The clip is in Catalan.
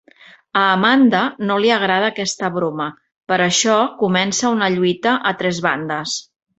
A Amanda no li agrada aquesta broma, per això comença una lluita a tres bandes.